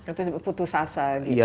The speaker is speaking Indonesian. itu putus asa gitu ya